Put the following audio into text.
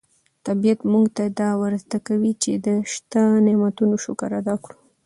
طبیعت موږ ته دا ور زده کوي چې د شته نعمتونو شکر ادا کړو.